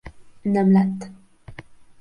Nem lett.